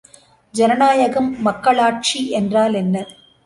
ஜனநாயகம் மக்களாட்சி என்றால் என்ன?